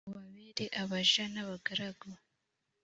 mubabere abaja n’abagaragu